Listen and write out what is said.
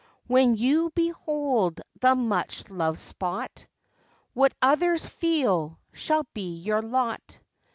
When you behold the much loved spot, What others feel shall be your lot.